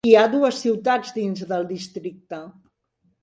Hi ha dues ciutats dins del districte.